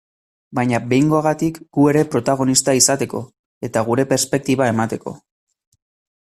Baina behingoagatik gu ere protagonista izateko, eta gure perspektiba emateko.